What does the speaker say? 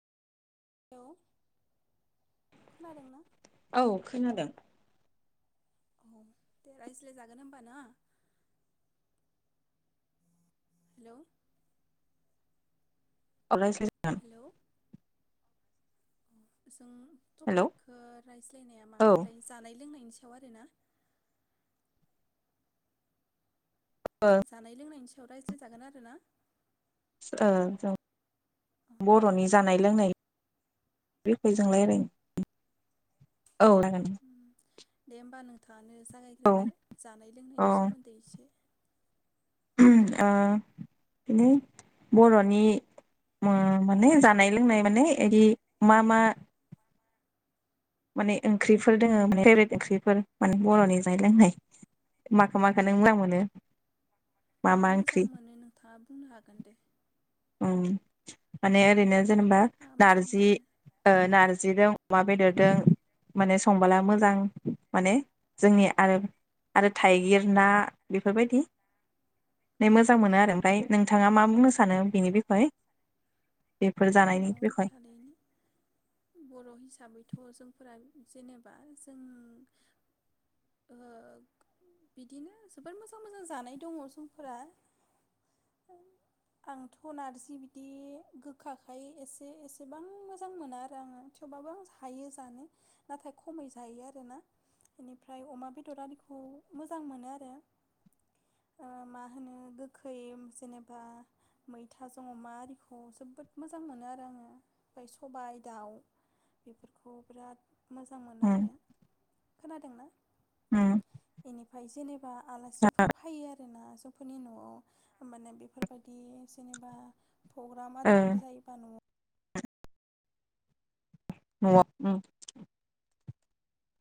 हेल औ खोनादों औ दे रायज्लाय जागोन होमबा ना? हेलौ औ‌ रायज्ला थां हेलौ जों हेल' टपिकखो रायज्लायनाया औ मामोनलाय जानाय लोंनायनि सायाव सायावरोना जानाय लोंनायनि सा याव रायज्लाय जागोन आरो ना। ओ जों बर'नि जानाय लोंनाय बिखय जों रायलायनि औ जागोन। थाङानो जागायग्रोदो जानाय औ लोंनायनि सोमोन्दै इसे ओ बिनो बर'नि ओ माने जानाय लोंनाय माने बिदि मा मा माने ओंख्रिफोर दोङो माने फेभरेट ओंख्रिफोर माने बर'नि जानाय लोंनाय माखो माखो नों मोजां मोनो मा मोजां मोनो नोंथाङा बुंनो हागोन दे। उम माने ओरैनो जेनेबा मा मोजां नारजि मोनो ओ नारजि दं अमा बेदरदों माने संबोला मोजां माने जोंनि आरो आरो थाइगिर ना बेफोरबायदि मोजां मोनो आरो ओमफ्राय नोंथाङा मा बुंनो सानो बिनि बिखय? बेफोर अ जानायनि बिखय थारैनो बर' हिसाबैथ' जोंफोरा जेनेबा जों ओ बिदिनो जोबोर मोजां मोजां जानाय दङ जोंफोरा आंथ' नारजि बिदि गोखा खाय एसे एसेबां मोजां मोना आरो आङो थेवबबो आं हायो जानो नाथाय खमै जायो आरोना बेनिफ्राय अमा बेदर आरिखौ मोजां मोनो आरो ओ मा होनो गोखै जेनेबा मैथाजों अमा आरिखौ जोबोद मोजां मोनो आरो आङो ओमफ्राय सबाय दाउ बेफोरखौ बिराद मोजां मोनो उम आरो खोनादोंना उम बेनि फ्राय जेने बा आलासिफोर फायो आरो ना जोंफोरनि न'आव माने बेफोरबायदि जेनेबा प्रग्राम ओ आरि फोर जायोबा न'आव औ हम